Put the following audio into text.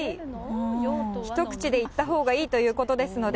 一口でいったほうがいいということですので。